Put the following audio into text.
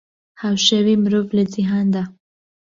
هاوشێوەی مرۆڤ لە جیهاندا